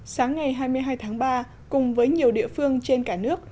sáng ngày hai mươi hai tháng ba cùng với nhiều địa phương trên cả nước